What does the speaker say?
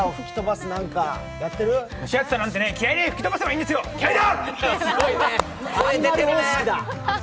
蒸し暑さなんて気合いで吹き飛ばせばいいんですよ、気合いだ！